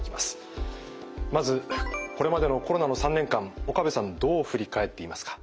まずこれまでのコロナの３年間岡部さんどう振り返っていますか？